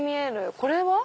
これは。